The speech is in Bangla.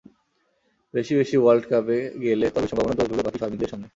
বেশি বেশি ওয়ার্ল্ড কাপে গেলে তবেই সম্ভাবনার দুয়ার খুলবে বাকি-শারমিনদের সামনে।